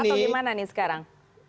jadi projose pecah atau gimana nih sekarang